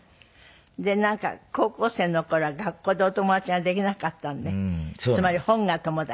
なんか高校生の頃は学校でお友達ができなかったのでつまり本が友達？